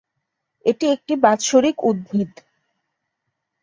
এটি একটি বাৎসরিক উদ্ভিদ।